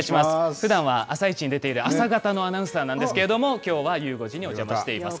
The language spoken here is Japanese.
ふだんはあさイチに出ている朝方のアナウンサーなんですけど、きょうはゆう５時にお邪魔しています。